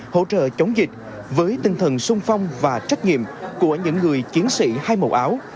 hỗ trợ chống dịch với tinh thần sung phong và trách nhiệm của những người chiến sĩ hai màu áo